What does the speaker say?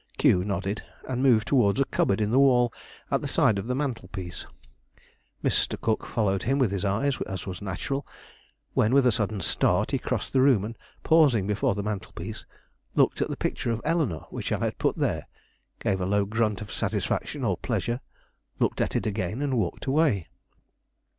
Q nodded, and moved towards a cupboard in the wall at the side of the mantel piece; Mr. Cook following him with his eyes, as was natural, when, with a sudden start, he crossed the room and, pausing before the mantel piece, looked at the picture of Eleanore which I had put there, gave a low grunt of satisfaction or pleasure, looked at it again, and walked away.